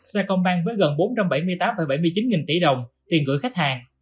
xe công banh với gần bốn trăm bảy mươi tám bảy mươi chín nghìn tỷ đồng tiền gửi khách hàng